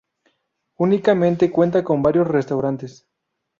Únicamente cuenta con varios restaurantes.